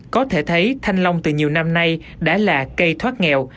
có thể thấy thanh long từ nhiều năm nay đã là cây thoát nghèo